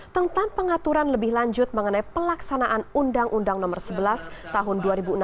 tentang pengaturan lebih lanjut mengenai pelaksanaan undang undang nomor sebelas tahun dua ribu enam belas